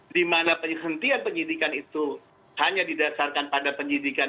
dimana hentian penyidikan itu hanya didasarkan pada penyidikan